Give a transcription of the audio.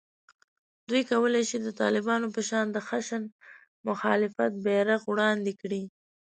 دوی کولای شي د طالبانو په شان د خشن مخالفت بېرغ وړاندې کړي